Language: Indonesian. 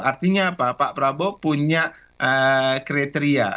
artinya apa pak prabowo punya kriteria